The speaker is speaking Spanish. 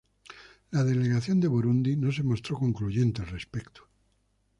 La delegación de Burundi no se mostró concluyente al respecto.